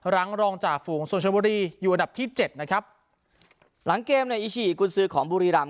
รองจ่าฝูงส่วนชนบุรีอยู่อันดับที่เจ็ดนะครับหลังเกมในอิชิกุญซือของบุรีรำ